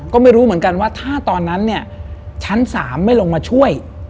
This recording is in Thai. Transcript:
ก็ไม่รู้เหมือนกันว่าถ้าตอนนั้นเนี่ยชั้น๓ไม่ลงมาช่วย